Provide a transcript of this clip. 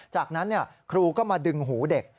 จากนั้นครูก็มาดึงหูเด็ก